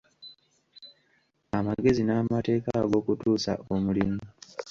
Amagezi n'amateeka ag'okutuusa omulimu.